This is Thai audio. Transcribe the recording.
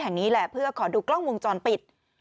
แห่งนี้แหละเพื่อขอดูกล้องวงจรปิด